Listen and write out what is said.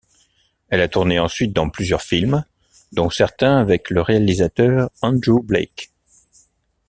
Elle a tourné ensuite dans plusieurs films, dont certains avec le réalisateur Andrew Blake.